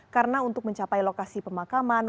karena untuk mencapai lokasi pemakaman